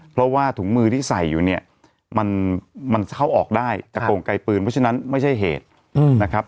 เพราะว่าถุงมือที่ใส่อยู่เนี่ยมันเข้าออกได้จากโกงไกลปืนเพราะฉะนั้นไม่ใช่เหตุนะครับ